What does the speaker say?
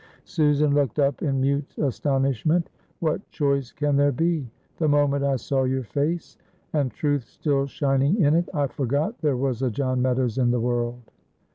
Susan looked up in mute astonishment. "What choice can there be? The moment I saw your face, and truth still shining in it, I forgot there was a John Meadows in the world!"